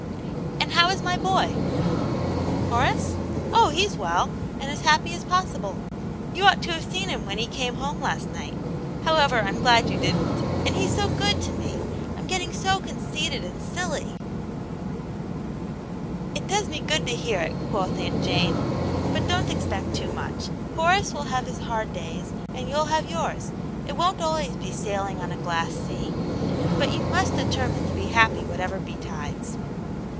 " And how is my boy ?"" Horace ? Oh, he*s well, and as happy as pos sible. You ought to have seen him when he came home last night ! however, Fm glad you didn't. And he's so good to me ! I'm getting so conceited and silly >"It does me good to hear it," quoth Aunt Jane. " But don't expect too much. Horace will have his hard days and yoy'll have yours, it won't always be sailing on a glass sea ; but you must determine to be happy whatever betides."